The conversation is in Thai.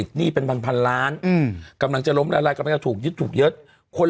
เออเดี๋ยวเอามาให้เลือกนะ